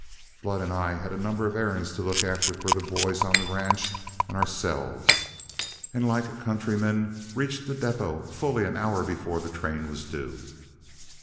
Flood and I had a number of errands to look after for the boys on the ranch and ourselves, and, like countrymen, reached the depot fully an hour before the train was due.